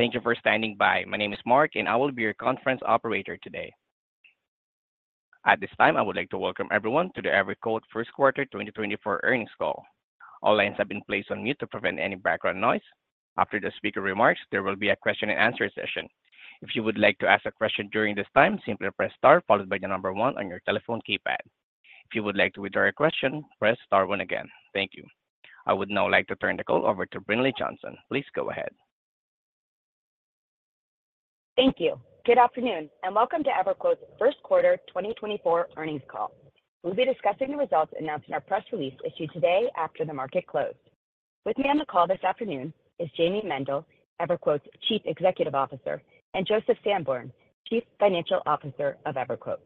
Thank you for standing by. My name is Mark, and I will be your conference operator today. At this time, I would like to welcome everyone to the EverQuote First Quarter 2024 Earnings Call. All lines have been placed on mute to prevent any background noise. After the speaker remarks, there will be a question-and-answer session. If you would like to ask a question during this time, simply press star followed by the number one on your telephone keypad. If you would like to withdraw your question, press star one again. Thank you. I would now like to turn the call over to Brinlea Johnson. Please go ahead. Thank you. Good afternoon, and welcome to EverQuote's First Quarter 2024 Earnings Call. We'll be discussing the results announced in our press release issued today after the market closed. With me on the call this afternoon is Jayme Mendal, EverQuote's Chief Executive Officer, and Joseph Sanborn, Chief Financial Officer of EverQuote.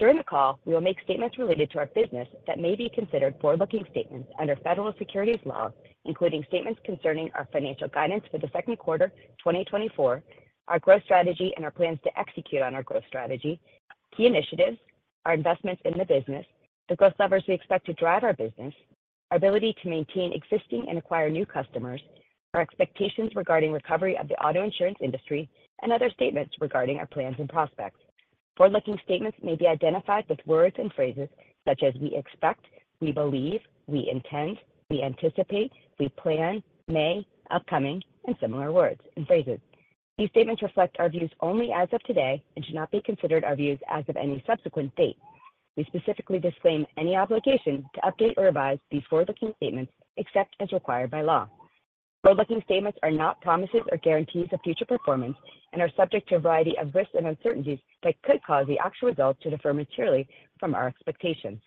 During the call, we will make statements related to our business that may be considered forward-looking statements under federal securities law, including statements concerning our financial guidance for the second quarter 2024, our growth strategy and our plans to execute on our growth strategy, key initiatives, our investments in the business, the growth levers we expect to drive our business, our ability to maintain existing and acquire new customers, our expectations regarding recovery of the auto insurance industry, and other statements regarding our plans and prospects. Forward-looking statements may be identified with words and phrases such as we expect, we believe, we intend, we anticipate, we plan, may, upcoming, and similar words and phrases. These statements reflect our views only as of today and should not be considered our views as of any subsequent date. We specifically disclaim any obligation to update or revise these forward-looking statements except as required by law. Forward-looking statements are not promises or guarantees of future performance and are subject to a variety of risks and uncertainties that could cause the actual results to differ materially from our expectations.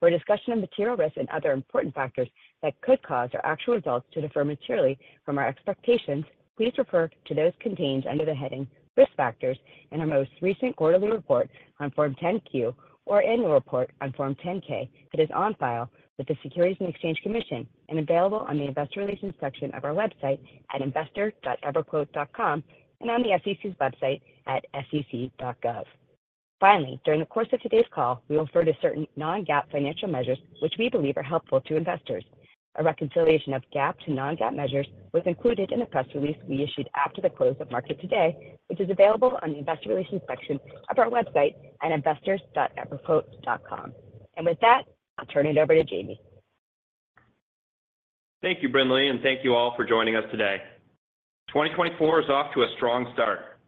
For a discussion of material risks and other important factors that could cause our actual results to differ materially from our expectations, please refer to those contained under the heading Risk Factors in our most recent quarterly report on Form 10-Q or annual report on Form 10-K. It is on file with the Securities and Exchange Commission and available on the Investor Relations section of our website at investors.everquote.com, and on the SEC's website at sec.gov. Finally, during the course of today's call, we refer to certain non-GAAP financial measures, which we believe are helpful to investors. A reconciliation of GAAP to non-GAAP measures was included in the press release we issued after the close of market today, which is available on the Investor Relations section of our website at investors.everquote.com. With that, I'll turn it over to Jayme. Thank you, Brinlea, and thank you all for joining us today. 2024 is off to a strong start.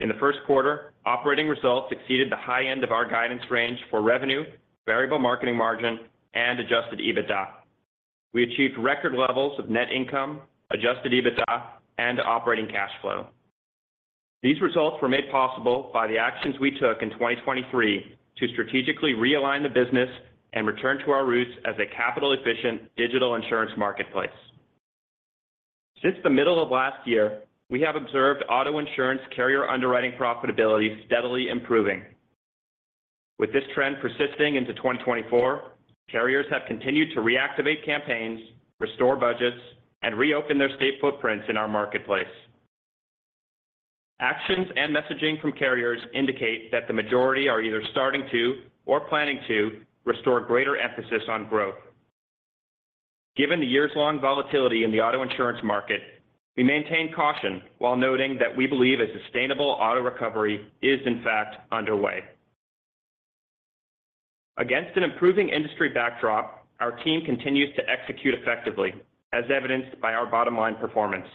In the first quarter, operating results exceeded the high end of our guidance range for revenue, Variable Marketing Margin, and Adjusted EBITDA. We achieved record levels of net income, Adjusted EBITDA, and operating cash flow. These results were made possible by the actions we took in 2023 to strategically realign the business and return to our roots as a capital-efficient digital insurance marketplace. Since the middle of last year, we have observed auto insurance carrier underwriting profitability steadily improving. With this trend persisting into 2024, carriers have continued to reactivate campaigns, restore budgets, and reopen their state footprints in our marketplace. Actions and messaging from carriers indicate that the majority are either starting to or planning to restore greater emphasis on growth. Given the years-long volatility in the auto insurance market, we maintain caution while noting that we believe a sustainable auto recovery is, in fact, underway. Against an improving industry backdrop, our team continues to execute effectively, as evidenced by our bottom line performance.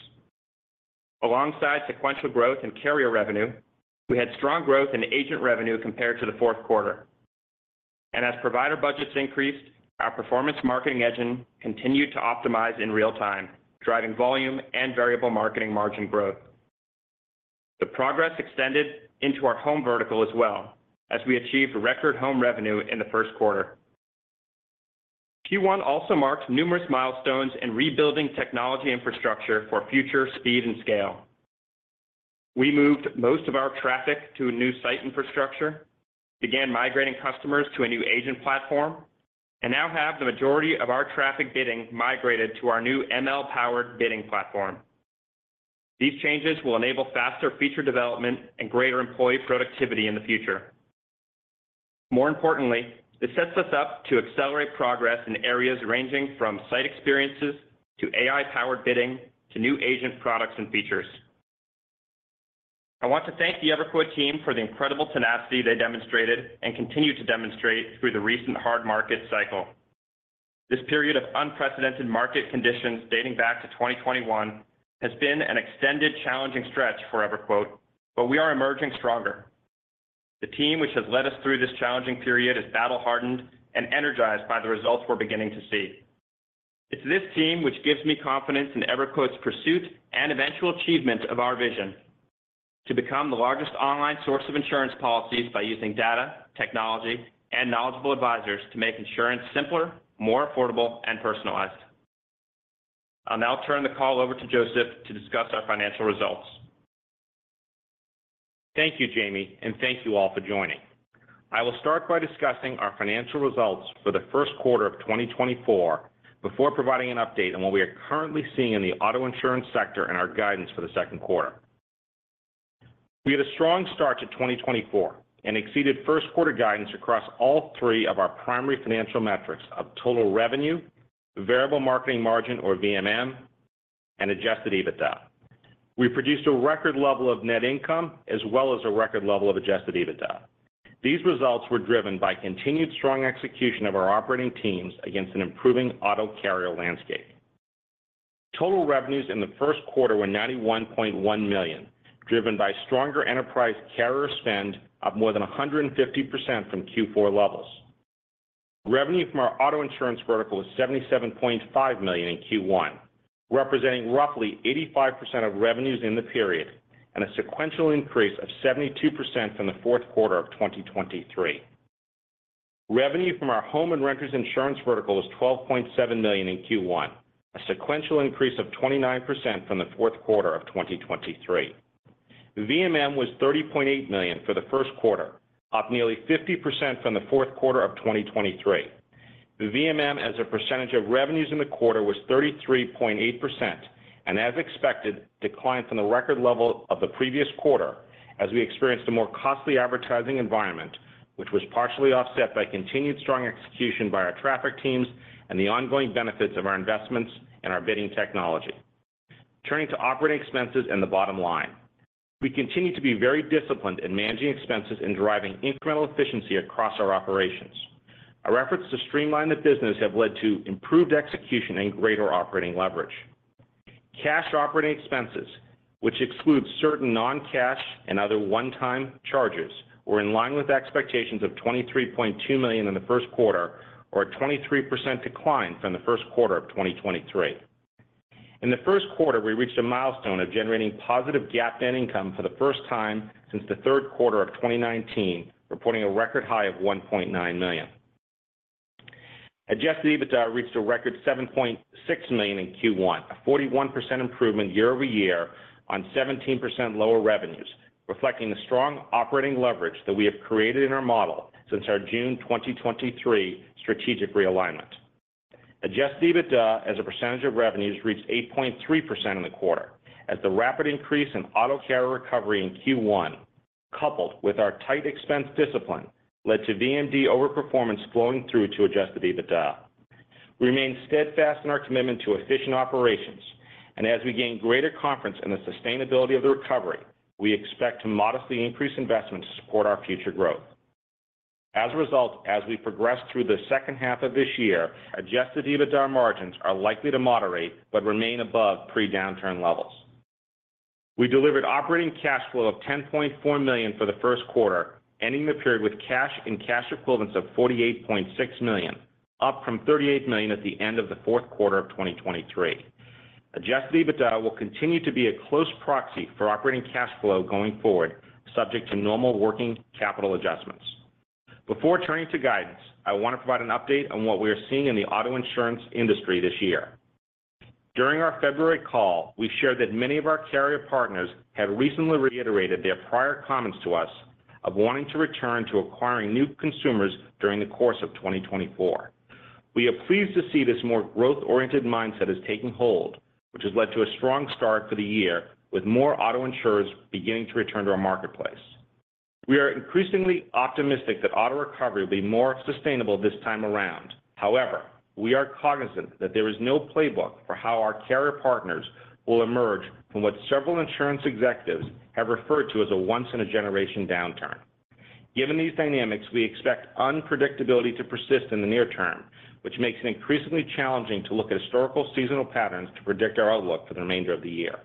Alongside sequential growth in carrier revenue, we had strong growth in agent revenue compared to the fourth quarter. As provider budgets increased, our performance marketing engine continued to optimize in real time, driving volume and variable marketing margin growth. The progress extended into our home vertical as well, as we achieved record home revenue in the first quarter. Q1 also marked numerous milestones in rebuilding technology infrastructure for future speed and scale. We moved most of our traffic to a new site infrastructure, began migrating customers to a new agent platform, and now have the majority of our traffic bidding migrated to our new ML-powered bidding platform. These changes will enable faster feature development and greater employee productivity in the future. More importantly, this sets us up to accelerate progress in areas ranging from site experiences to AI-powered bidding, to new agent products and features. I want to thank the EverQuote team for the incredible tenacity they demonstrated and continue to demonstrate through the recent hard market cycle. This period of unprecedented market conditions dating back to 2021 has been an extended, challenging stretch for EverQuote, but we are emerging stronger. The team, which has led us through this challenging period, is battle-hardened and energized by the results we're beginning to see. It's this team which gives me confidence in EverQuote's pursuit and eventual achievement of our vision: to become the largest online source of insurance policies by using data, technology, and knowledgeable advisors to make insurance simpler, more affordable, and personalized. I'll now turn the call over to Joseph to discuss our financial results. Thank you, Jayme, and thank you all for joining. I will start by discussing our financial results for the first quarter of 2024 before providing an update on what we are currently seeing in the auto insurance sector and our guidance for the second quarter. We had a strong start to 2024 and exceeded first quarter guidance across all three of our primary financial metrics of total revenue, variable marketing margin or VMM, and Adjusted EBITDA. We produced a record level of net income as well as a record level of Adjusted EBITDA. These results were driven by continued strong execution of our operating teams against an improving auto carrier landscape. Total revenues in the first quarter were $91.1 million, driven by stronger enterprise carrier spend up more than 150% from Q4 levels. Revenue from our auto insurance vertical was $77.5 million in Q1, representing roughly 85% of revenues in the period and a sequential increase of 72% from the fourth quarter of 2023. Revenue from our home and renters insurance vertical was $12.7 million in Q1, a sequential increase of 29% from the fourth quarter of 2023. VMM was $30.8 million for the first quarter, up nearly 50% from the fourth quarter of 2023. The VMM, as a percentage of revenues in the quarter, was 33.8%, and as expected, declined from the record level of the previous quarter as we experienced a more costly advertising environment, which was partially offset by continued strong execution by our traffic teams and the ongoing benefits of our investments and our bidding technology. Turning to operating expenses and the bottom line. We continue to be very disciplined in managing expenses and driving incremental efficiency across our operations. Our efforts to streamline the business have led to improved execution and greater operating leverage. Cash operating expenses, which excludes certain non-cash and other one-time charges, were in line with expectations of $23.2 million in the first quarter or a 23% decline from the first quarter of 2023. In the first quarter, we reached a milestone of generating positive GAAP net income for the first time since the third quarter of 2019, reporting a record high of $1.9 million. Adjusted EBITDA reached a record $7.6 million in Q1, a 41% improvement year-over-year on 17% lower revenues, reflecting the strong operating leverage that we have created in our model since our June 2023 strategic realignment. Adjusted EBITDA as a percentage of revenues reached 8.3% in the quarter as the rapid increase in auto carrier recovery in Q1, coupled with our tight expense discipline, led to VMM overperformance flowing through to adjusted EBITDA. We remain steadfast in our commitment to efficient operations, and as we gain greater confidence in the sustainability of the recovery, we expect to modestly increase investment to support our future growth. As a result, as we progress through the second half of this year, adjusted EBITDA margins are likely to moderate but remain above pre-downturn levels. We delivered operating cash flow of $10.4 million for the first quarter, ending the period with cash and cash equivalents of $48.6 million, up from $38 million at the end of the fourth quarter of 2023. Adjusted EBITDA will continue to be a close proxy for operating cash flow going forward, subject to normal working capital adjustments. Before turning to guidance, I want to provide an update on what we are seeing in the auto insurance industry this year. During our February call, we shared that many of our carrier partners have recently reiterated their prior comments to us of wanting to return to acquiring new consumers during the course of 2024. We are pleased to see this more growth-oriented mindset is taking hold, which has led to a strong start for the year, with more auto insurers beginning to return to our marketplace. We are increasingly optimistic that auto recovery will be more sustainable this time around. However, we are cognizant that there is no playbook for how our carrier partners will emerge from what several insurance executives have referred to as a once-in-a-generation downturn. Given these dynamics, we expect unpredictability to persist in the near term, which makes it increasingly challenging to look at historical seasonal patterns to predict our outlook for the remainder of the year.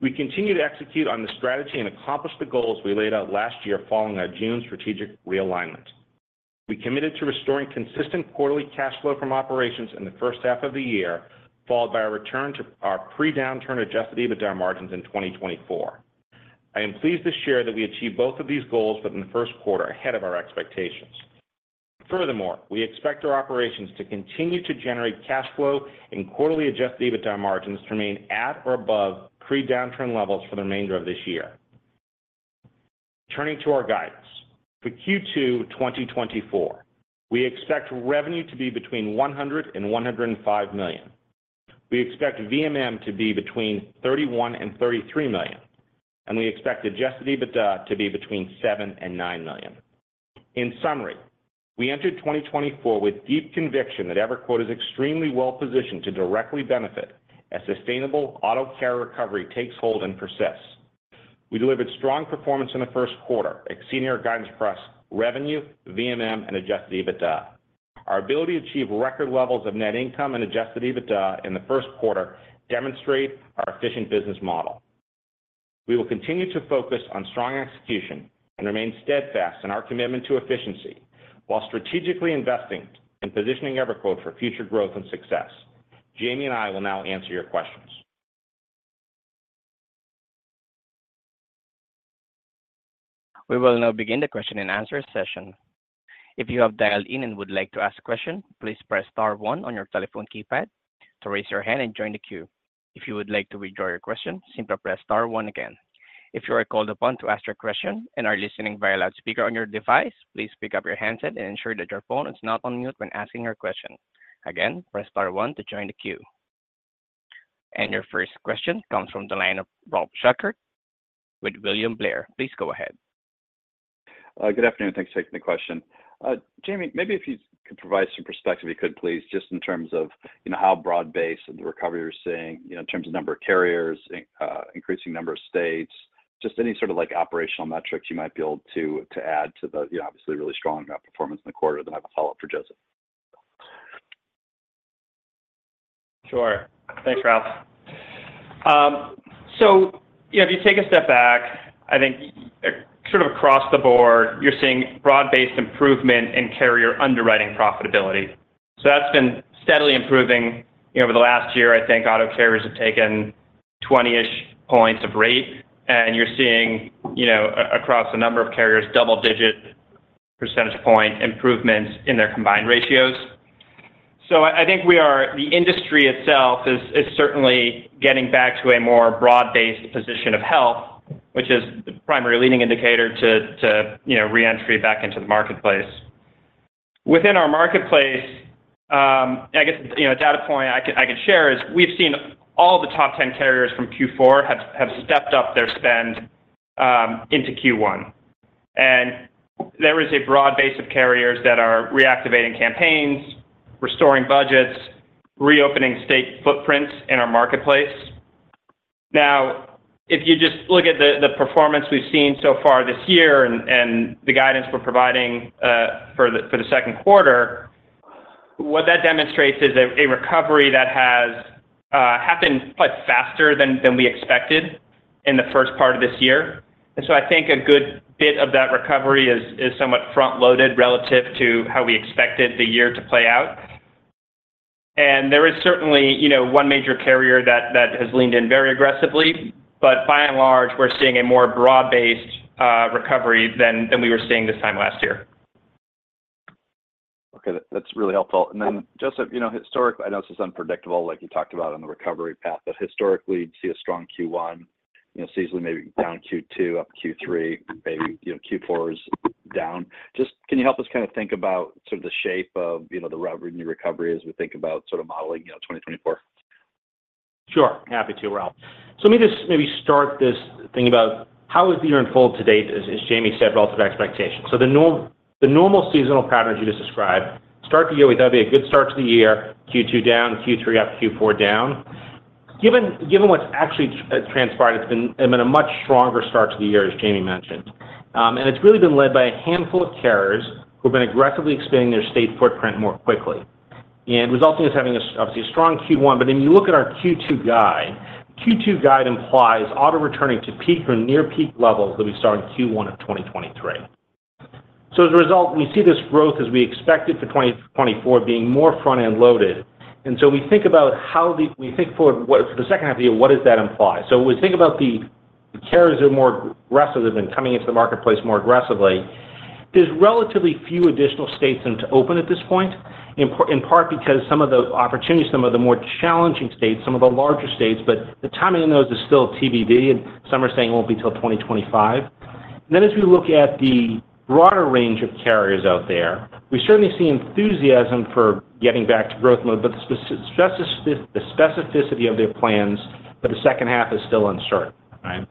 We continue to execute on the strategy and accomplish the goals we laid out last year following our June strategic realignment. We committed to restoring consistent quarterly cash flow from operations in the first half of the year, followed by a return to our pre-downturn Adjusted EBITDA margins in 2024. I am pleased to share that we achieved both of these goals, but in the first quarter, ahead of our expectations. Furthermore, we expect our operations to continue to generate cash flow and quarterly Adjusted EBITDA margins to remain at or above pre-downturn levels for the remainder of this year. Turning to our guidance. For Q2 2024, we expect revenue to be between $100 million and $105 million. We expect VMM to be between $31 million and $33 million, and we expect Adjusted EBITDA to be between $7 million and $9 million. In summary, we entered 2024 with deep conviction that EverQuote is extremely well-positioned to directly benefit as sustainable auto carrier recovery takes hold and persists. We delivered strong performance in the first quarter, exceeding our guidance across revenue, VMM, and Adjusted EBITDA. Our ability to achieve record levels of net income and Adjusted EBITDA in the first quarter demonstrate our efficient business model. We will continue to focus on strong execution and remain steadfast in our commitment to efficiency, while strategically investing in positioning EverQuote for future growth and success. Jayme and I will now answer your questions. We will now begin the question and answer session. If you have dialed in and would like to ask a question, please press star one on your telephone keypad to raise your hand and join the queue. If you would like to withdraw your question, simply press star one again. If you are called upon to ask your question and are listening via loudspeaker on your device, please pick up your handset and ensure that your phone is not on mute when asking your question. Again, press star one to join the queue. Your first question comes from the line of Ralph Schackart with William Blair. Please go ahead. Good afternoon. Thanks for taking the question. Jayme, maybe if you could provide some perspective, you could please, just in terms of, you know, how broad-based the recovery you're seeing, you know, in terms of number of carriers, in, increasing number of states, just any sort of, like, operational metrics you might be able to, to add to the, you know, obviously really strong, performance in the quarter, then I have a follow-up for Joseph. Sure. Thanks, Ralph. So, you know, if you take a step back, I think, sort of across the board, you're seeing broad-based improvement in carrier underwriting profitability. So that's been steadily improving. Over the last year, I think auto carriers have taken 20-ish points of rate, and you're seeing, you know, across a number of carriers, double-digit percentage point improvements in their combined ratios. So I, I think we are, the industry itself is, is certainly getting back to a more broad-based position of health, which is the primary leading indicator to, to, you know, re-entry back into the marketplace. Within our marketplace, I guess, you know, a data point I can, I can share is we've seen all the top 10 carriers from Q4 have, have stepped up their spend, into Q1. And there is a broad base of carriers that are reactivating campaigns, restoring budgets, reopening state footprints in our marketplace. Now, if you just look at the performance we've seen so far this year and the guidance we're providing for the second quarter, what that demonstrates is a recovery that has happened quite faster than we expected in the first part of this year. And so I think a good bit of that recovery is somewhat front-loaded relative to how we expected the year to play out. And there is certainly, you know, one major carrier that has leaned in very aggressively, but by and large, we're seeing a more broad-based recovery than we were seeing this time last year. Okay, that's really helpful. And then, Joseph, you know, historically, I know this is unpredictable, like you talked about on the recovery path, but historically, you'd see a strong Q1, you know, seasonally, maybe down Q2, up Q3, maybe, you know, Q4 is down. Just, can you help us kind of think about sort of the shape of, you know, the recovery, the recovery as we think about sort of modeling, you know, 2024? Sure. Happy to, Ralph. So let me just maybe start this thing about how is the year unfolding to date, as Jayme said, relative to expectations. So the normal seasonal patterns you just described start the year with that, be a good start to the year, Q2 down, Q3 up, Q4 down. Given what's actually transpired, it's been a much stronger start to the year, as Jayme mentioned. And it's really been led by a handful of carriers who've been aggressively expanding their state footprint more quickly. And resulting as having a, obviously a strong Q1, but then you look at our Q2 guide. Q2 guide implies auto returning to peak or near peak levels that we saw in Q1 of 2023. So as a result, we see this growth as we expected for 2024 being more front-end loaded. And so we think about how we think for, what, for the second half of the year, what does that imply? So we think about the carriers are more aggressive than coming into the marketplace more aggressively. There's relatively few additional states than to open at this point, in part, in part because some of the opportunities, some of the more challenging states, some of the larger states, but the timing in those is still TBD, and some are saying it won't be till 2025. Then as we look at the broader range of carriers out there, we certainly see enthusiasm for getting back to growth mode, but the specificity of their plans for the second half is still uncertain, right?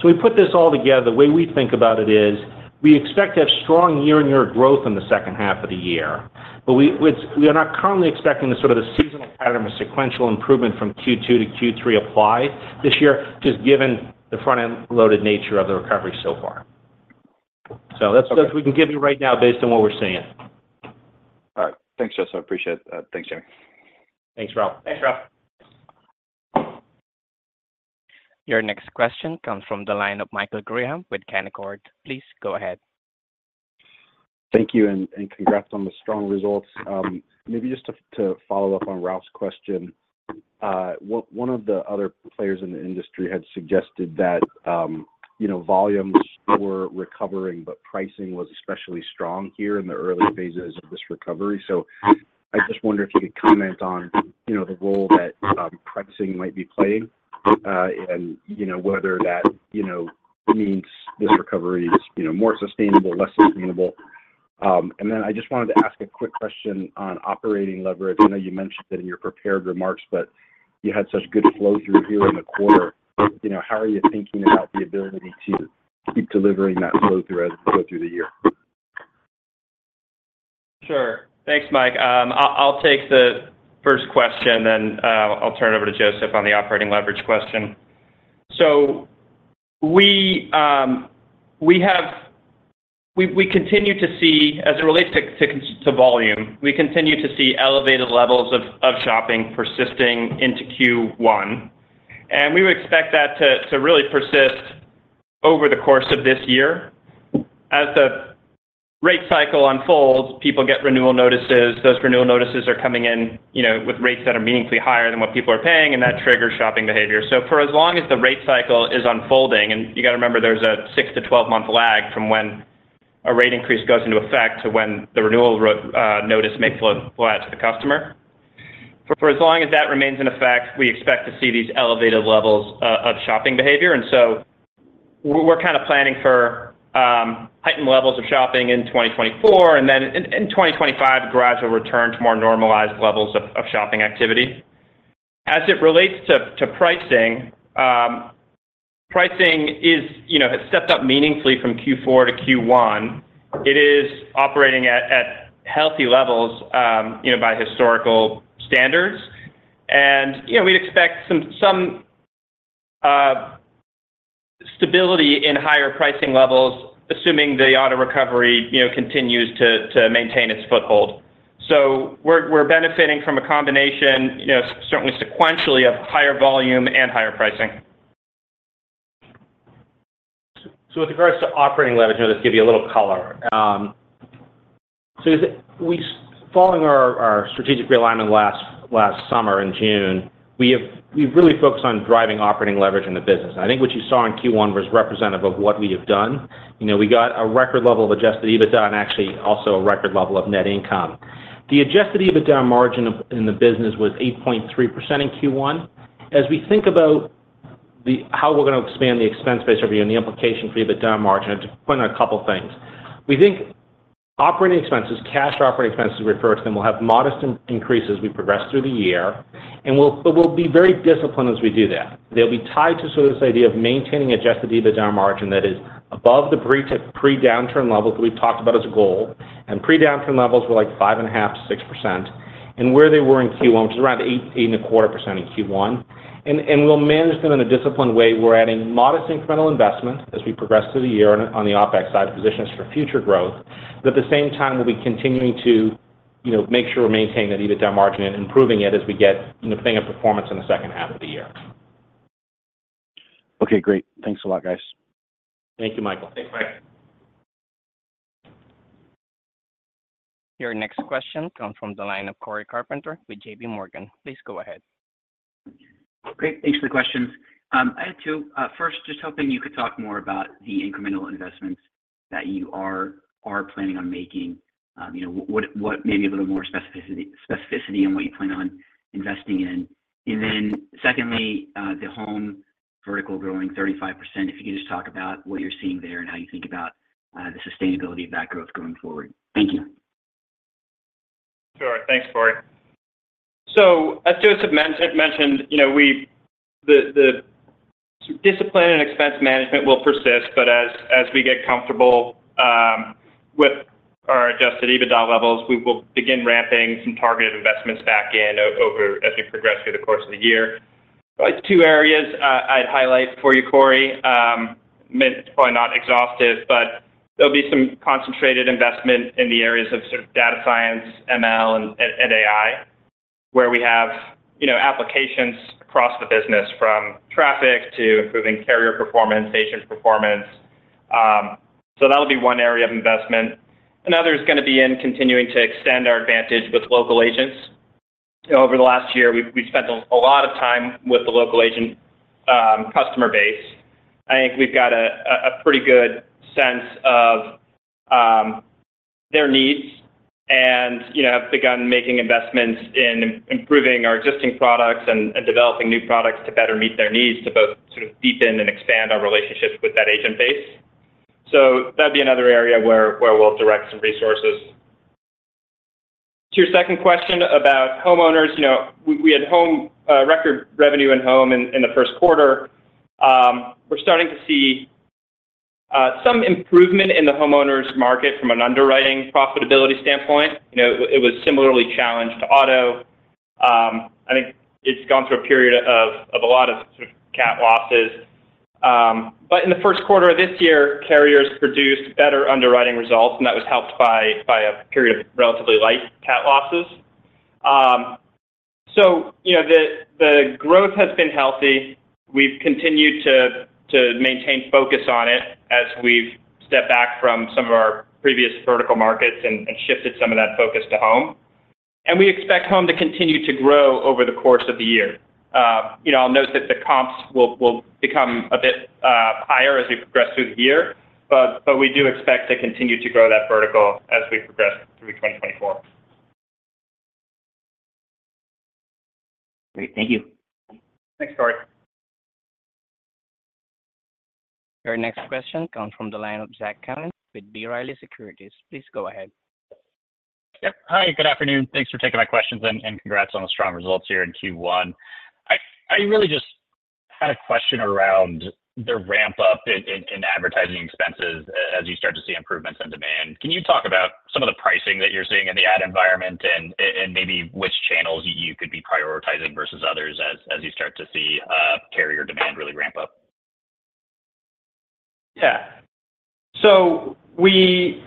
So we put this all together. The way we think about it is, we expect to have strong year-over-year growth in the second half of the year, but which we are not currently expecting the sort of seasonal pattern or sequential improvement from Q2 to Q3 apply this year, just given the front-end-loaded nature of the recovery so far. Okay. That's what we can give you right now based on what we're seeing. All right. Thanks, Joseph. I appreciate it. Thanks, Jamie. Thanks, Ralph. Thanks, Ralph. Your next question comes from the line of Michael Graham with Canaccord. Please go ahead. Thank you, and congrats on the strong results. Maybe just to follow up on Ralph's question, one of the other players in the industry had suggested that, you know, volumes were recovering, but pricing was especially strong here in the early phases of this recovery. So I just wonder if you could comment on, you know, the role that pricing might be playing, and, you know, whether that, you know, means this recovery is, you know, more sustainable, less sustainable. And then I just wanted to ask a quick question on operating leverage. I know you mentioned it in your prepared remarks, but you had such good flow-through here in the quarter. You know, how are you thinking about the ability to keep delivering that flow-through as we go through the year? Sure. Thanks, Mike. I'll take the first question, then I'll turn it over to Joseph on the operating leverage question. So we have—we continue to see, as it relates to volume, we continue to see elevated levels of shopping persisting into Q1, and we would expect that to really persist over the course of this year. As the rate cycle unfolds, people get renewal notices. Those renewal notices are coming in, you know, with rates that are meaningfully higher than what people are paying, and that triggers shopping behavior. So for as long as the rate cycle is unfolding, and you got to remember, there's a six to 12-month lag from when a rate increase goes into effect to when the renewal notice may flow out to the customer. For as long as that remains in effect, we expect to see these elevated levels of shopping behavior. And so we're kind of planning for heightened levels of shopping in 2024, and then in 2025, gradual return to more normalized levels of shopping activity. As it relates to pricing, pricing is, you know, has stepped up meaningfully from Q4 to Q1. It is operating at healthy levels, you know, by historical standards. And, you know, we'd expect some stability in higher pricing levels, assuming the auto recovery, you know, continues to maintain its foothold. So we're benefiting from a combination, you know, certainly sequentially, of higher volume and higher pricing. So with regards to operating leverage, I'll just give you a little color. So as we—following our strategic realignment last summer in June, we've really focused on driving operating leverage in the business. I think what you saw in Q1 was representative of what we have done. You know, we got a record level of Adjusted EBITDA, and actually, also a record level of net income. The Adjusted EBITDA margin of, in the business was 8.3% in Q1. As we think about the—how we're going to expand the expense base over year and the implication for EBITDA margin, I'll just point out a couple of things. We think operating expenses, cash operating expenses we refer to them, will have modest increases as we progress through the year, and we'll—but we'll be very disciplined as we do that. They'll be tied to sort of this idea of maintaining Adjusted EBITDA margin that is above the pre-downturn levels we've talked about as a goal, and pre-downturn levels were, like, 5.5%-6%. And where they were in Q1, which is around 8%-8.25% in Q1. And we'll manage them in a disciplined way. We're adding modest incremental investments as we progress through the year on the OpEx side, positions for future growth, but at the same time, we'll be continuing to, you know, make sure we maintain that EBITDA margin and improving it as we get, you know, thing of performance in the second half of the year. Okay, great. Thanks a lot, guys. Thank you, Michael. Thanks, Mike. Your next question comes from the line of Cory Carpenter with JPMorgan. Please go ahead. Great. Thanks for the questions. I had two. First, just hoping you could talk more about the incremental investments that you are planning on making. You know, what maybe a little more specificity on what you plan on investing in? And then secondly, the home vertical growing 35%, if you could just talk about what you're seeing there and how you think about the sustainability of that growth going forward. Thank you. Sure. Thanks, Cory. So as Joseph mentioned, you know, the discipline and expense management will persist, but as we get comfortable with our adjusted EBITDA levels, we will begin ramping some targeted investments back in over as we progress through the course of the year. Two areas I'd highlight for you, Cory, maybe not exhaustive, but there'll be some concentrated investment in the areas of sort of data science, ML, and AI, where we have, you know, applications across the business, from traffic to improving carrier performance, agent performance. So that'll be one area of investment. Another is gonna be in continuing to extend our advantage with local agents. Over the last year, we've spent a lot of time with the local agent customer base. I think we've got a pretty good sense of their needs and, you know, have begun making investments in improving our existing products and developing new products to better meet their needs to both sort of deepen and expand our relationships with that agent base. So that'd be another area where we'll direct some resources. To your second question about homeowners, you know, we had home record revenue in home in the first quarter. We're starting to see some improvement in the homeowners market from an underwriting profitability standpoint. You know, it was similarly challenged to auto. I think it's gone through a period of a lot of cat losses. But in the first quarter of this year, carriers produced better underwriting results, and that was helped by a period of relatively light cat losses. So you know, the growth has been healthy. We've continued to maintain focus on it as we've stepped back from some of our previous vertical markets and shifted some of that focus to home. And we expect home to continue to grow over the course of the year. You know, I'll note that the comps will become a bit higher as we progress through the year, but we do expect to continue to grow that vertical as we progress through 2024. Great. Thank you. Thanks, Cory. Our next question comes from the line of Zach Cummins with B. Riley Securities. Please go ahead. Yep. Hi, good afternoon. Thanks for taking my questions, and congrats on the strong results here in Q1. I really just had a question around the ramp up in advertising expenses as you start to see improvements in demand. Can you talk about some of the pricing that you're seeing in the ad environment and maybe which channels you could be prioritizing versus others as you start to see carrier demand really ramp up? Yeah. So we,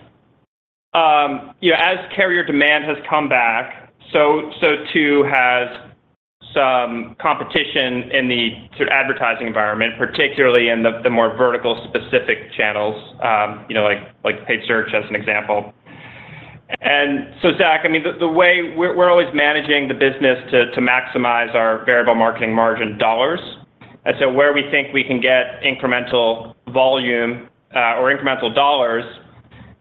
you know, as carrier demand has come back, so too has some competition in the sort of advertising environment, particularly in the more vertical specific channels, you know, like paid search, as an example. And so, Zach, I mean, the way we're always managing the business to maximize our variable marketing margin dollars. And so where we think we can get incremental volume, or incremental dollars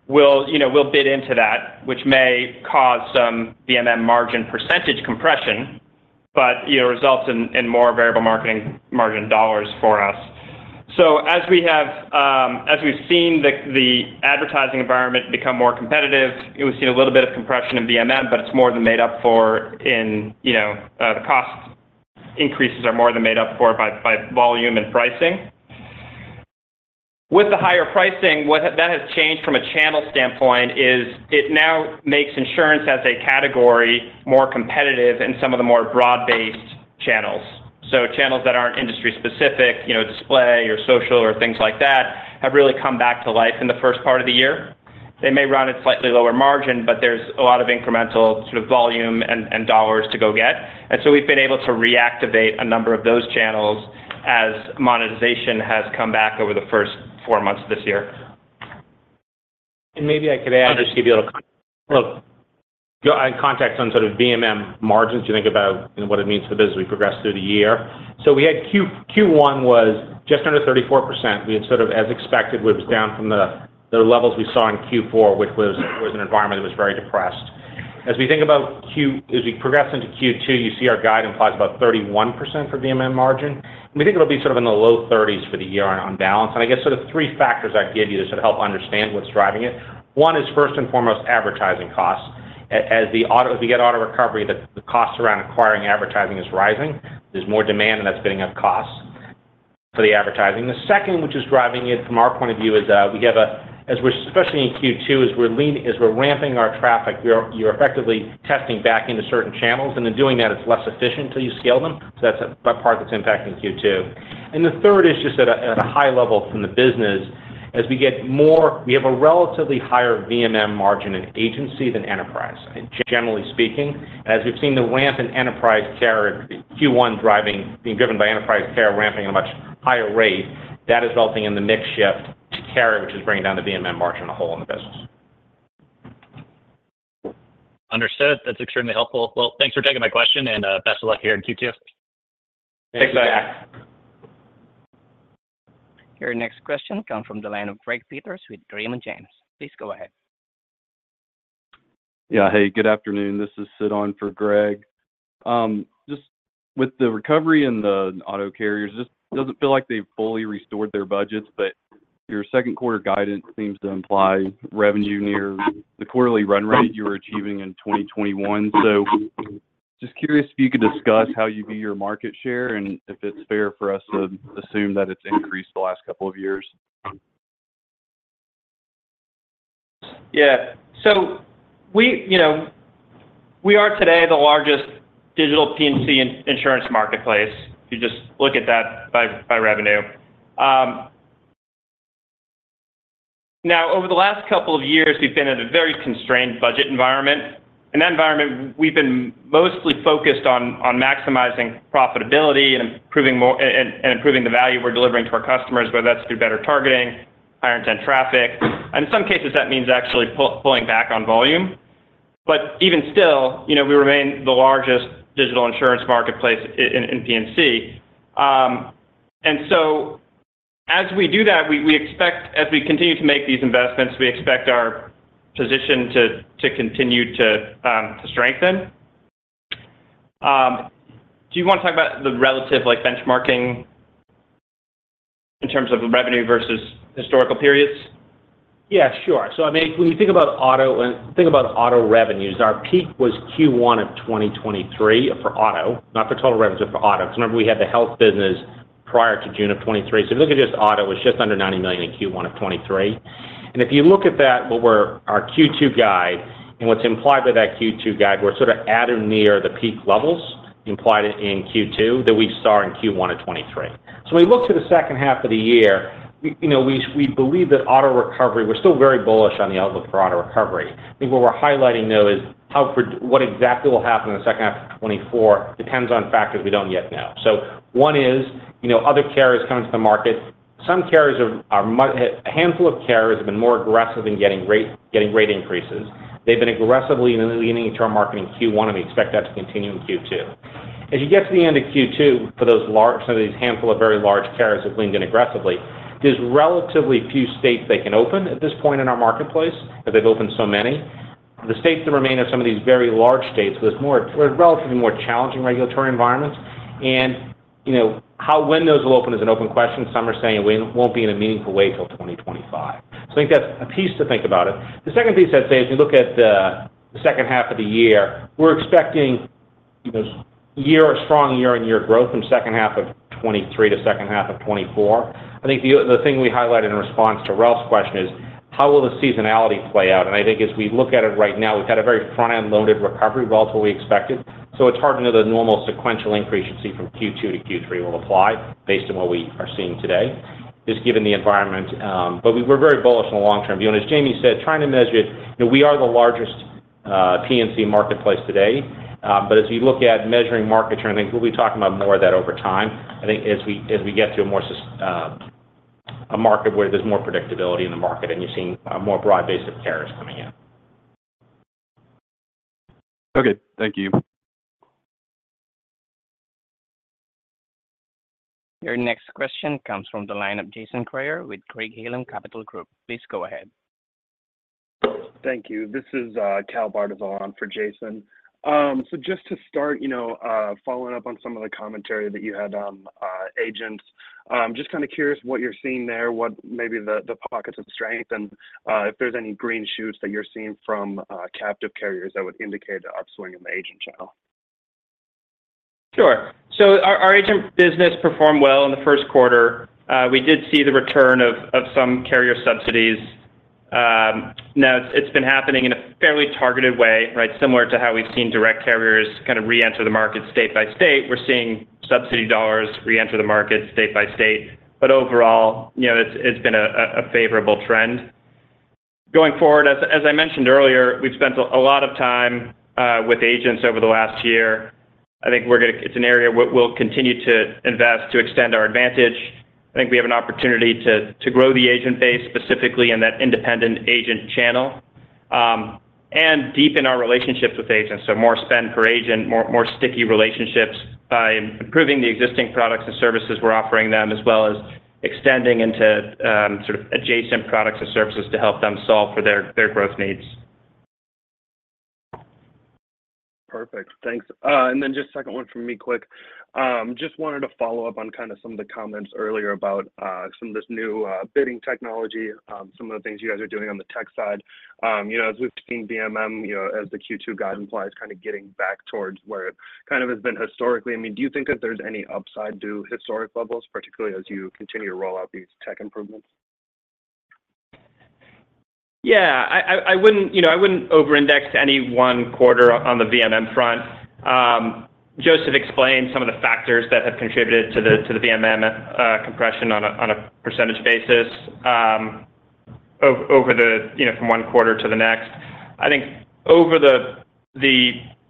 we'll, you know, we'll bid into that, which may cause some VMM margin percentage compression, but, you know, results in more variable marketing margin dollars for us. So as we have, as we've seen the advertising environment become more competitive, we've seen a little bit of compression in VMM, but it's more than made up for in, you know, the cost increases are more than made up for by volume and pricing. With the higher pricing, that has changed from a channel standpoint is it now makes insurance as a category more competitive in some of the more broad-based channels. So channels that aren't industry specific, you know, display or social or things like that, have really come back to life in the first part of the year. They may run at slightly lower margin, but there's a lot of incremental sort of volume and dollars to go get. We've been able to reactivate a number of those channels as monetization has come back over the first four months of this year. Maybe I could add, just give you a little look on context on sort of VMM margins, you think about what it means for the business as we progress through the year. So we had Q1 was just under 34%. We had sort of, as expected, it was down from the levels we saw in Q4, which was an environment that was very depressed. As we think about as we progress into Q2, you see our guide implies about 31% for VMM margin. We think it'll be sort of in the low 30% for the year on balance. And I guess sort of three factors I'd give you to sort of help understand what's driving it. One is, first and foremost, advertising costs. As we get auto recovery, the costs around acquiring advertising is rising. There's more demand, and that's getting up costs for the advertising. The second, which is driving it from our point of view, is, as we're, especially in Q2, as we're ramping our traffic, we're effectively testing back into certain channels, and in doing that, it's less efficient till you scale them. So that's a part that's impacting Q2. And the third is just at a high level from the business. As we get more, we have a relatively higher VMM margin in agency than enterprise, generally speaking. As we've seen the ramp in enterprise carrier, Q1 driving, being driven by enterprise carrier ramping at a much higher rate, that is resulting in the mix shift to carrier, which is bringing down the VMM margin on the whole in the business. Understood. That's extremely helpful. Well, thanks for taking my question, and best of luck here in Q2. Thanks, Zach. Your next question comes from the line of Greg Peters with Raymond James. Please go ahead. Yeah. Hey, good afternoon. This is Sid on for Greg. Just with the recovery and the auto carriers, just doesn't feel like they've fully restored their budgets, but your second quarter guidance seems to imply revenue near the quarterly run rate you were achieving in 2021. So just curious if you could discuss how you view your market share and if it's fair for us to assume that it's increased the last couple of years? Yeah. So we, you know, we are today the largest digital P&C insurance marketplace, if you just look at that by, by revenue. Now, over the last couple of years, we've been in a very constrained budget environment. In that environment, we've been mostly focused on maximizing profitability and improving more, and improving the value we're delivering to our customers, whether that's through better targeting, higher intent traffic. In some cases, that means actually pulling back on volume. But even still, you know, we remain the largest digital insurance marketplace in P&C. And so as we do that, we expect. As we continue to make these investments, we expect our position to continue to strengthen. Do you want to talk about the relative, like, benchmarking in terms of revenue versus historical periods? Yeah, sure. So, I mean, when you think about auto, and think about auto revenues, our peak was Q1 of 2023 for auto, not for total revenues, but for auto. Because remember, we had the health business prior to June of 2023. So if you look at just auto, it was just under $90 million in Q1 of 2023. And if you look at that, what we're, our Q2 guide, and what's implied by that Q2 guide, we're sort of at or near the peak levels implied in Q2 than we saw in Q1 of 2023. So when we look to the second half of the year, we, you know, we, we believe that auto recovery, we're still very bullish on the outlook for auto recovery. I think what we're highlighting, though, is how what exactly will happen in the second half of 2024 depends on factors we don't yet know. So one is, you know, other carriers coming to the market. A handful of carriers have been more aggressive in getting rate increases. They've been aggressively leaning into our market in Q1, and we expect that to continue in Q2. As you get to the end of Q2, for some of these handful of very large carriers that have leaned in aggressively, there's relatively few states they can open at this point in our marketplace, as they've opened so many. The states that remain are some of these very large states with relatively more challenging regulatory environments. And, you know, how, when those will open is an open question. Some are saying it won't be in a meaningful way till 2025. So I think that's a piece to think about it. The second piece I'd say, as you look at the second half of the year, we're expecting, you know, strong year-on-year growth from second half of 2023 to second half of 2024. I think the thing we highlighted in response to Ralph's question is: How will the seasonality play out? And I think as we look at it right now, we've had a very front-end loaded recovery, relatively expected. So it's hard to know the normal sequential increase you see from Q2 to Q3 will apply based on what we are seeing today, just given the environment. But we're very bullish on the long-term view. As Jamie said, trying to measure, you know, we are the largest P&C marketplace today. But as we look at measuring market trends, I think we'll be talking about more of that over time. I think as we, as we get to a more sustainable market where there's more predictability in the market and you're seeing a more broad base of carriers coming in. Okay. Thank you. Your next question comes from the line of Jason Kreyer with Craig-Hallum Capital Group. Please go ahead. Thank you. This is Cal Bartyzal for Jason Kreyer. So just to start, you know, following up on some of the commentary that you had on agents, I'm just kind of curious what you're seeing there, what maybe the pockets of strength and if there's any green shoots that you're seeing from captive carriers that would indicate an upswing in the agent channel? Sure. So our agent business performed well in the first quarter. We did see the return of some carrier subsidies. Now, it's been happening in a fairly targeted way, right? Similar to how we've seen direct carriers kind of reenter the market state by state. We're seeing subsidy dollars reenter the market state by state. But overall, you know, it's been a favorable trend. Going forward, as I mentioned earlier, we've spent a lot of time with agents over the last year. I think we're gonna. It's an area we'll continue to invest to extend our advantage. I think we have an opportunity to grow the agent base, specifically in that independent agent channel, and deepen our relationships with agents. So more spend per agent, more, more sticky relationships by improving the existing products and services we're offering them, as well as extending into, sort of adjacent products and services to help them solve for their, their growth needs. Perfect. Thanks. And then just second one from me quick. Just wanted to follow up on kind of some of the comments earlier about some of this new bidding technology, some of the things you guys are doing on the tech side. You know, as we've seen VMM, you know, as the Q2 guide implies, kind of getting back towards where it kind of has been historically. I mean, do you think that there's any upside to historic levels, particularly as you continue to roll out these tech improvements? Yeah, I wouldn't, you know, I wouldn't over-index to any one quarter on the VMM front. Joseph explained some of the factors that have contributed to the VMM compression on a percentage basis, over the, you know, from one quarter to the next. I think over the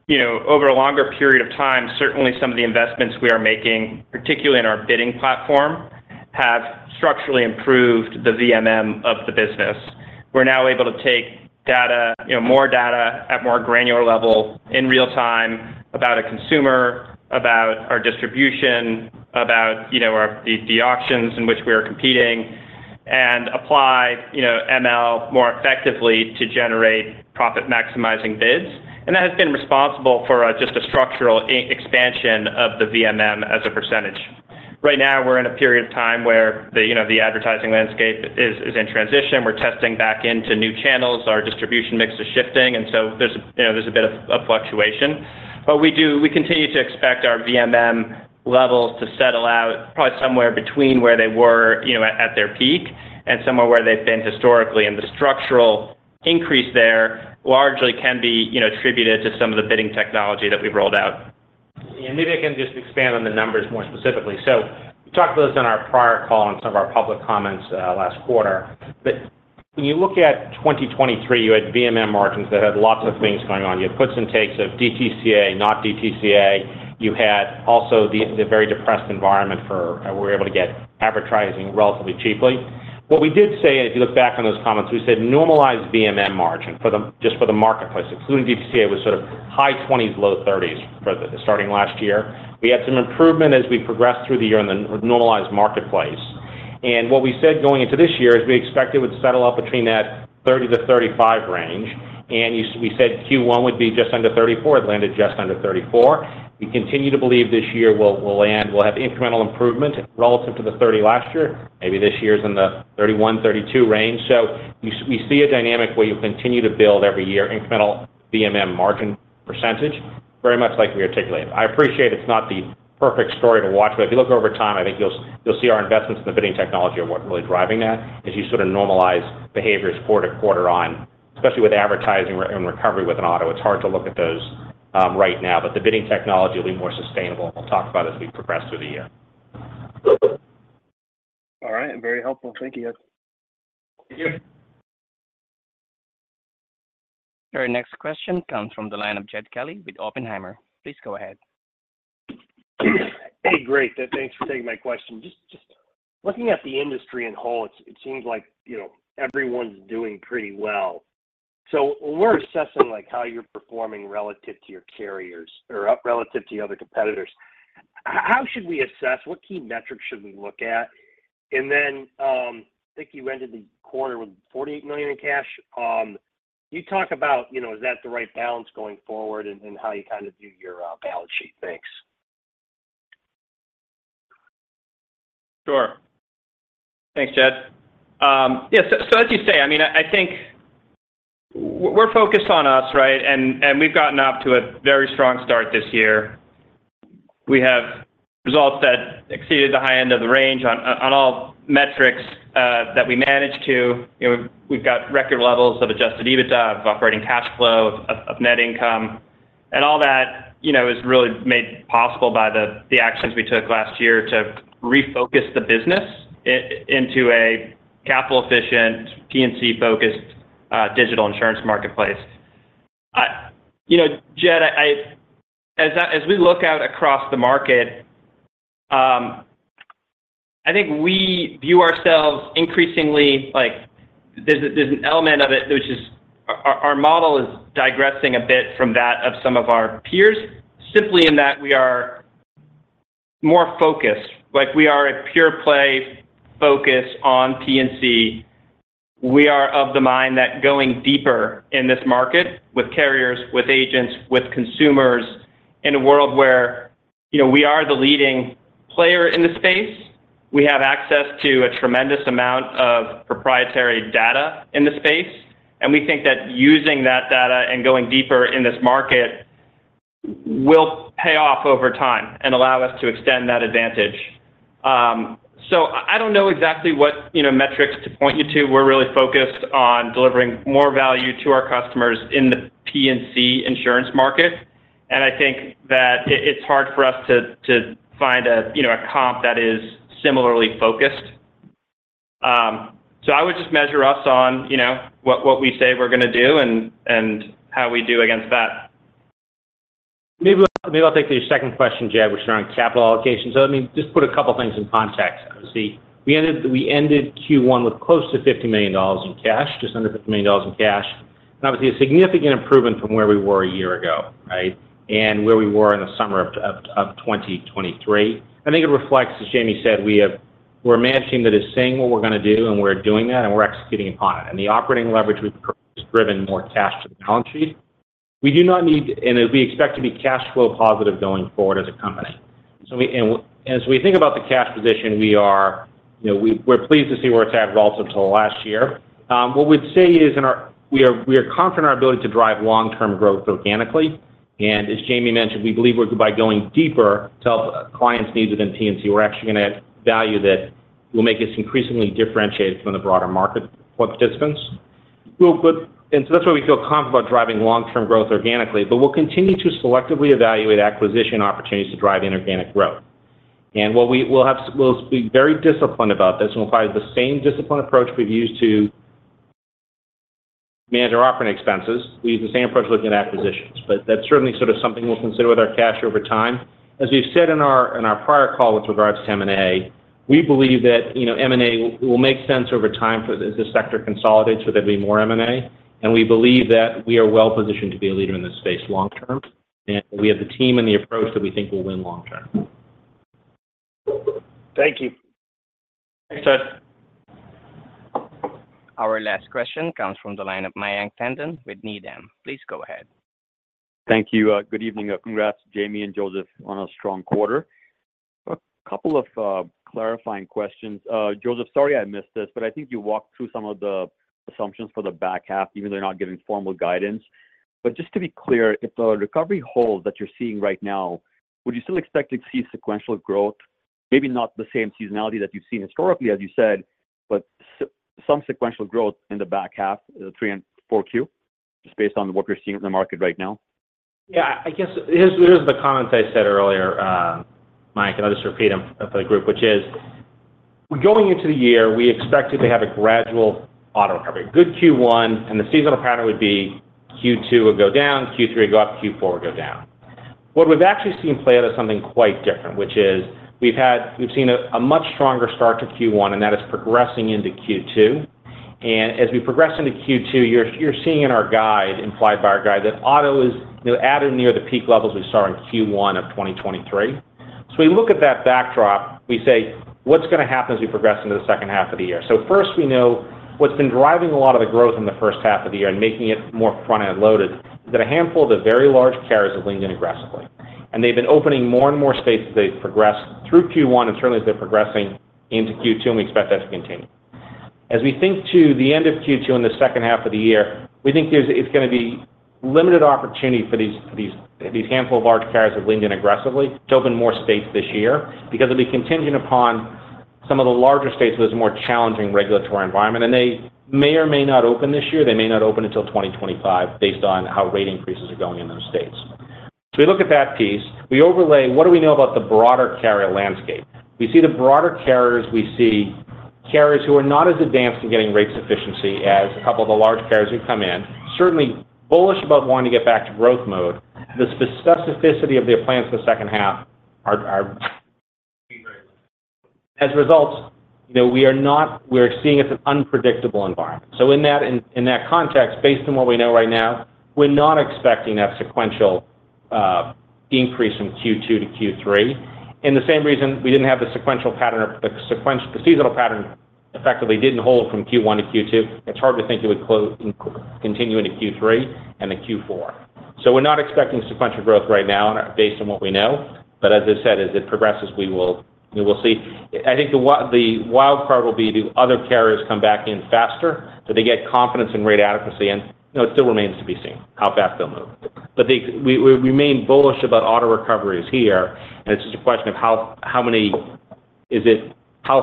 you know, over a longer period of time, certainly some of the investments we are making, particularly in our bidding platform, have structurally improved the VMM of the business. We're now able to take data, you know, more data at more granular level in real time about a consumer, about our distribution, about, you know, our auctions in which we are competing, and apply, you know, ML more effectively to generate profit-maximizing bids. And that has been responsible for just a structural expansion of the VMM as a percentage. Right now, we're in a period of time where the, you know, the advertising landscape is in transition. We're testing back into new channels. Our distribution mix is shifting, and so there's, you know, a bit of fluctuation. But we do we continue to expect our VMM levels to settle out probably somewhere between where they were, you know, at their peak and somewhere where they've been historically. And the structural increase there largely can be, you know, attributed to some of the bidding technology that we've rolled out. Maybe I can just expand on the numbers more specifically. We talked about this on our prior call and some of our public comments last quarter. When you look at 2023, you had VMM margins that had lots of things going on. You had puts and takes of DTCA, not DTCA. You had also the very depressed environment for, we were able to get advertising relatively cheaply. What we did say, if you look back on those comments, we said normalized VMM margin for the just for the marketplace, excluding DTCA, was sort of high 20s, low 30s for the starting last year. We had some improvement as we progressed through the year in the normalized marketplace. What we said going into this year is we expect it would settle out between that 30-35 range, and you, we said Q1 would be just under 34. It landed just under 34. We continue to believe this year we'll, we'll land, we'll have incremental improvement relative to the 30 last year. Maybe this year's in the 31-32 range. So we, we see a dynamic where you'll continue to build every year, incremental VMM margin percentage, very much like we articulated. I appreciate it's not the perfect story to watch, but if you look over time, I think you'll, you'll see our investments in the bidding technology are what's really driving that as you sort of normalize behaviors quarter to quarter on, especially with advertising and recovery with an auto, it's hard to look at those right now. But the bidding technology will be more sustainable. We'll talk about as we progress through the year. All right. Very helpful. Thank you. Thank you. Our next question comes from the line of Jed Kelly with Oppenheimer. Please go ahead. Hey, great. Thanks for taking my question. Just looking at the industry in whole, it seems like, you know, everyone's doing pretty well. So when we're assessing, like, how you're performing relative to your carriers or relative to other competitors, how should we assess, what key metrics should we look at? And then, I think you ended the quarter with $48 million in cash. Can you talk about, you know, is that the right balance going forward and how you kind of view your balance sheet? Thanks. Sure. Thanks, Jed. Yeah, so, so as you say, I mean, I, I think we're focused on us, right? And, and we've gotten off to a very strong start this year. We have results that exceeded the high end of the range on, on all metrics, that we managed to. You know, we've, we've got record levels of Adjusted EBITDA, of Operating Cash Flow, of, of net income, and all that, you know, is really made possible by the, the actions we took last year to refocus the business into a capital efficient, P&C-focused, digital insurance marketplace. I, you know, Jed, I, as we look out across the market, I think we view ourselves increasingly like there's a, there's an element of it which is- our model is digressing a bit from that of some of our peers, simply in that we are more focused, like we are a pure play focus on P&C. We are of the mind that going deeper in this market with carriers, with agents, with consumers, in a world where, you know, we are the leading player in the space, we have access to a tremendous amount of proprietary data in the space, and we think that using that data and going deeper in this market, will pay off over time and allow us to extend that advantage. So I don't know exactly what, you know, metrics to point you to. We're really focused on delivering more value to our customers in the P&C insurance market. And I think that it's hard for us to find a, you know, a comp that is similarly focused. So I would just measure us on, you know, what we say we're going to do and how we do against that. Maybe I'll take the second question, Jed, which is on capital allocation. So let me just put a couple of things in context. See, we ended Q1 with close to $50 million in cash, just under $50 million in cash, and obviously a significant improvement from where we were a year ago, right? And where we were in the summer of 2023. I think it reflects, as Jayme said, we have, we're a management team that is saying what we're going to do, and we're doing that, and we're executing upon it. The operating leverage we've driven more cash to the balance sheet. We do not need, we expect to be cash flow positive going forward as a company. So we, and, as we think about the cash position, we are, you know, we're pleased to see where it's at relative to last year. What we'd say is in our, we are, we are confident in our ability to drive long-term growth organically. And as Jayme mentioned, we believe we're by going deeper to help clients' needs in P&C, we're actually going to add value that will make us increasingly differentiated from the broader market participants. Well, but, and so that's why we feel confident about driving long-term growth organically, but we'll continue to selectively evaluate acquisition opportunities to drive inorganic growth. We'll be very disciplined about this, and we'll apply the same disciplined approach we've used to manage our operating expenses. We use the same approach looking at acquisitions, but that's certainly sort of something we'll consider with our cash over time. As we've said in our prior call with regards to M&A, we believe that, you know, M&A will make sense over time for as the sector consolidates, so there'll be more M&A, and we believe that we are well positioned to be a leader in this space long term, and we have the team and the approach that we think will win long term. Thank you. Thanks, Jed. Our last question comes from the line of Mayank Tandon with Needham. Please go ahead. Thank you. Good evening. Congrats, Jayme and Joseph, on a strong quarter. A couple of clarifying questions. Joseph, sorry, I missed this, but I think you walked through some of the assumptions for the back half, even though you're not giving formal guidance. But just to be clear, if the recovery holds that you're seeing right now, would you still expect to see sequential growth? Maybe not the same seasonality that you've seen historically, as you said, but some sequential growth in the back half, Q3 and Q4, just based on what you're seeing in the market right now. Yeah, I guess here's the comments I said earlier, Mayank, and I'll just repeat them for the group, which is: going into the year, we expected to have a gradual auto recovery. Good Q1, and the seasonal pattern would be Q2 would go down, Q3 go up, Q4 go down. What we've actually seen play out is something quite different, which is we've had, we've seen a much stronger start to Q1, and that is progressing into Q2. And as we progress into Q2, you're seeing in our guide, implied by our guide, that auto is, you know, at or near the peak levels we saw in Q1 of 2023. So we look at that backdrop, we say, "What's going to happen as we progress into the second half of the year?" So first, we know what's been driving a lot of the growth in the first half of the year and making it more front-end loaded, is that a handful of the very large carriers have leaned in aggressively. And they've been opening more and more spaces. They've progressed through Q1, and certainly as they're progressing into Q2, and we expect that to continue. As we think to the end of Q2 in the second half of the year, we think it's going to be limited opportunity for these handful of large carriers have leaned in aggressively to open more states this year because it'll be contingent upon some of the larger states with more challenging regulatory environment, and they may or may not open this year. They may not open until 2025, based on how rate increases are going in those states. So we look at that piece, we overlay, what do we know about the broader carrier landscape? We see the broader carriers, we see carriers who are not as advanced in getting rates efficiency as a couple of the large carriers who've come in, certainly bullish about wanting to get back to growth mode. The specificity of their plans for the second half are- as a result, you know, we're seeing it as an unpredictable environment. So in that context, based on what we know right now, we're not expecting a sequential increase from Q2 to Q3. In the same reason, we didn't have the sequential pattern or the seasonal pattern effectively didn't hold from Q1 to Q2. It's hard to think it would continue into Q3 and then Q4. So we're not expecting sequential growth right now, based on what we know. But as I said, as it progresses, we will, we will see. I think the wild card will be, do other carriers come back in faster, so they get confidence in rate adequacy? And, you know, it still remains to be seen how fast they'll move. But we remain bullish about auto recoveries here, and it's just a question of how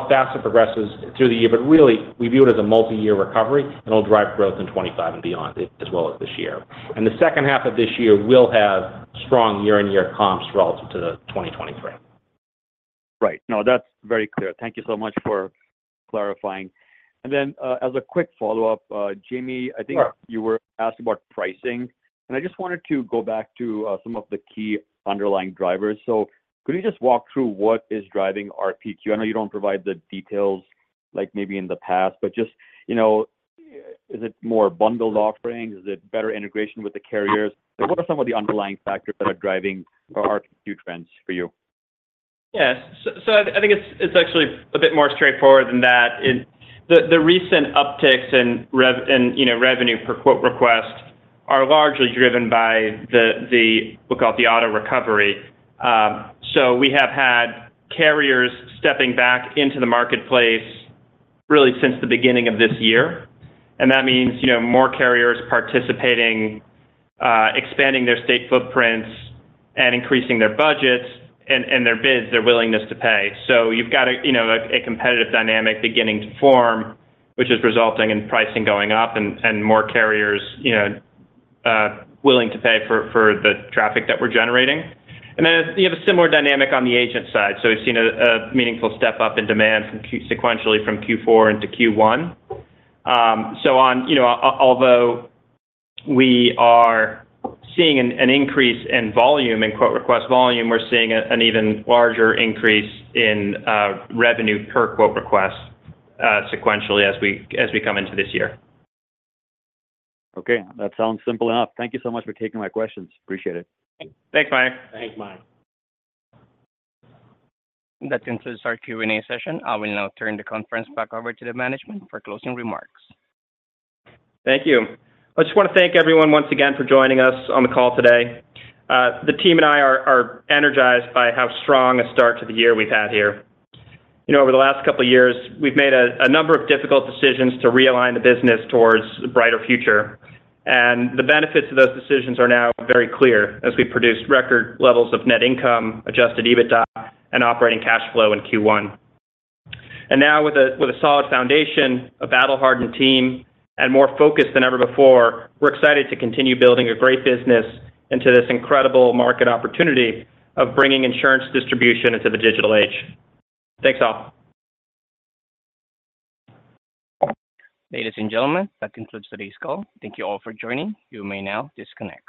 fast it progresses through the year. But really, we view it as a multi-year recovery, and it'll drive growth in 25 and beyond, as well as this year. And the second half of this year will have strong year-on-year comps relative to the 2023. Right. No, that's very clear. Thank you so much for clarifying. And then, as a quick follow-up, Jayme- Sure. I think you were asked about pricing, and I just wanted to go back to some of the key underlying drivers. So could you just walk through what is driving RPQ? I know you don't provide the details like maybe in the past, but just, you know, is it more bundled offerings? Is it better integration with the carriers? What are some of the underlying factors that are driving or are key trends for you? Yes. So I think it's actually a bit more straightforward than that. In the recent upticks in revenue per quote request are largely driven by the we call it the auto recovery. So we have had carriers stepping back into the marketplace really since the beginning of this year, and that means, you know, more carriers participating, expanding their state footprints and increasing their budgets and their bids, their willingness to pay. So you've got a, you know, a competitive dynamic beginning to form, which is resulting in pricing going up and more carriers, you know, willing to pay for the traffic that we're generating. And then you have a similar dynamic on the agent side. So we've seen a meaningful step up in demand sequentially from Q4 into Q1. So on, you know, although we are seeing an increase in volume, in quote request volume, we're seeing an even larger increase in revenue per quote request, sequentially as we come into this year. Okay, that sounds simple enough. Thank you so much for taking my questions. Appreciate it. Thanks, Mike. Thanks, Mike. That concludes our Q&A session. I will now turn the conference back over to the management for closing remarks. Thank you. I just want to thank everyone once again for joining us on the call today. The team and I are energized by how strong a start to the year we've had here. You know, over the last couple of years, we've made a number of difficult decisions to realign the business towards a brighter future, and the benefits of those decisions are now very clear as we produced record levels of net income, Adjusted EBITDA, and Operating Cash Flow in Q1. And now with a solid foundation, a battle-hardened team, and more focused than ever before, we're excited to continue building a great business into this incredible market opportunity of bringing insurance distribution into the digital age. Thanks, all. Ladies and gentlemen, that concludes today's call. Thank you all for joining. You may now disconnect.